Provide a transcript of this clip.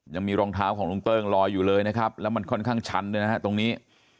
ยังมีรองเท้าของลุงเติ้งลอยอยู่เลยนะครับแล้วมันค่อนข้างชันด้วยนะฮะตรงนี้